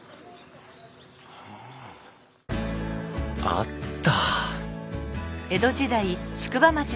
あった！